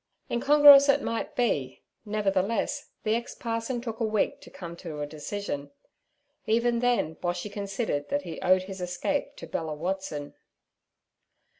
Incongruous it might be; nevertheless, the ex parson took a week to come to a decision. Even then Boshy considered that he owed his escape to Bella Watson.